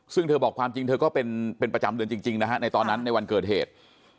ซึ่งเธอบอกความจริงเธอก็เป็นประจำเดือนจริงนะฮะในตอนนั้นในวันเกิดเหตุ